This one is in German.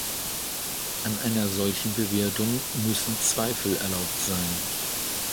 An einer solchen Bewertung müssen Zweifel erlaubt sein.